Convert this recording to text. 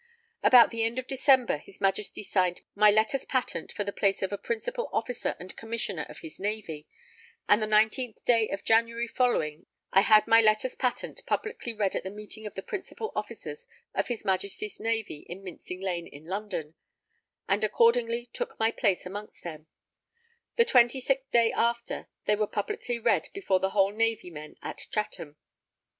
About the end of December his Majesty signed my letters patent for the place of a Principal Officer and Commissioner of his Navy, and the 19th day of January following I had my letters patent publicly read at the meeting of the Principal Officers of his Majesty's Navy in Mincing Lane in London, and accordingly took my place amongst them; the 26th day after, they were publicly read before the whole Navy men at Chatham.